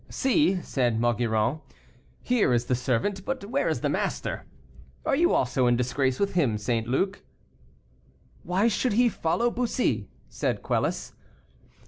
"See," said Maugiron, "here is the servant, but where is the master? Are you also in disgrace with him, St. Luc?" "Why should he follow Bussy?" said Quelus.